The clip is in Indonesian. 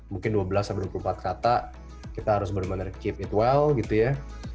mungkin dua belas dua puluh empat kata kita harus benar benar keep it well gitu ya